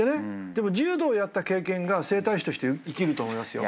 でも柔道やった経験が整体師として生きると思いますよ。